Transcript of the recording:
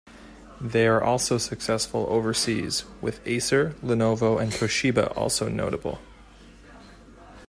They are also successful overseas, with Acer, Lenovo, and Toshiba also notable.